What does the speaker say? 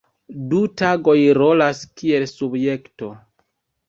Du tagoj rolas kiel subjekto.